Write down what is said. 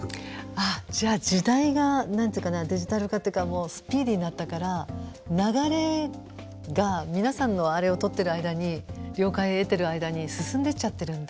ああじゃあ時代が何て言うかなデジタル化というかスピーディーになったから流れが皆さんのあれを取ってる間に了解得てる間に進んでっちゃってるんだ。